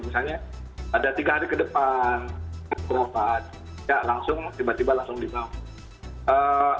misalnya ada tiga hari ke depan berobat ya langsung tiba tiba langsung dibawa